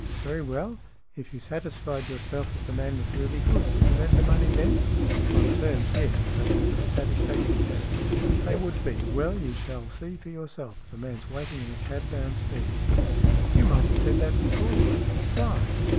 "Very well. If you satisfied yourself that the man was really good, would you lend the money then?" "On terms, yes. But they'd have to be satis factory terms." " They would be. Well, you shall see for your self. The man's waiting in a cab downstairs." " You might have said that before." "Why?